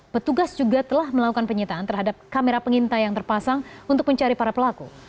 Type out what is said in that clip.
petugas juga telah melakukan penyitaan terhadap kamera pengintai yang terpasang untuk mencari para pelaku